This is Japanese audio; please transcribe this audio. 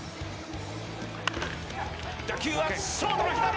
打球はショートの左！